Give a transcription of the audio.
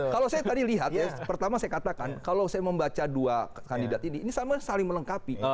kalau saya tadi lihat ya pertama saya katakan kalau saya membaca dua kandidat ini ini sama saling melengkapi